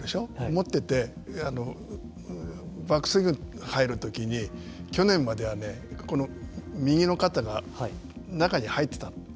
持っててバックスイングに入るときに去年までは右の肩が中に入ってたの。